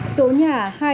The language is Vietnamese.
số nhà hai